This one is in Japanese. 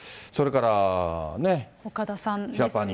岡田さんですね。